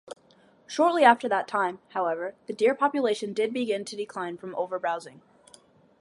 Shortly after that time, however, the deer population did begin to decline from over-browsing.